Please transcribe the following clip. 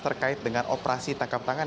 terkait dengan operasi tangkap tangan